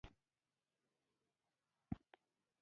فساد باید ورک شي